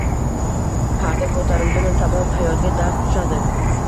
Parda ko‘tarildimi, tamom, hayotga darz tushadi.